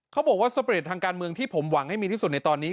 เขาบอกว่าสเปรตทางการเมืองที่ผมหวังให้มีที่สุดในตอนนี้